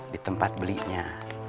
di tempat belinya